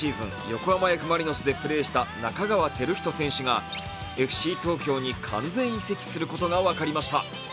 横浜Ｆ・マリノスでプレーした仲川輝人選手がＦＣ東京に完全移籍することが分かりました。